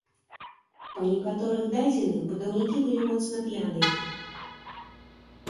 Па некаторых дадзеных, будаўнікі былі моцна п'яныя.